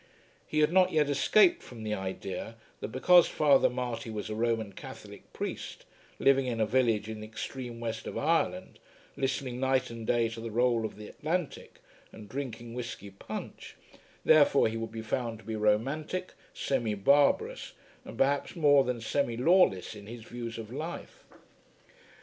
He had not yet escaped from the idea that because Father Marty was a Roman Catholic priest, living in a village in the extreme west of Ireland, listening night and day to the roll of the Atlantic and drinking whisky punch, therefore he would be found to be romantic, semi barbarous, and perhaps more than semi lawless in his views of life.